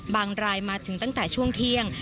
รายมาถึงตั้งแต่ช่วงเที่ยง